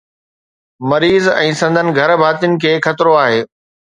مريض ۽ سندن گهرڀاتين کي خطرو آهي.